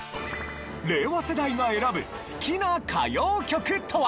令和世代が選ぶ好きな歌謡曲とは？